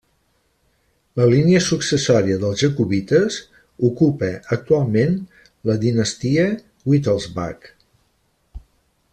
La línia successòria dels Jacobites ocupa actualment la dinastia Wittelsbach.